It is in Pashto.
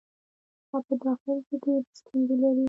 هغه په داخل کې ډېرې ستونزې لري.